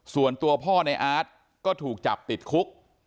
ส่วนตัวพ่อในอาร์ตก็ถูกจับติดคุก